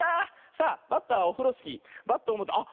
さあバッターオフロスキーバットをもってあっ